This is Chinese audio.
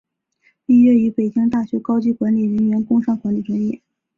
毕业于北京大学高级管理人员工商管理专业。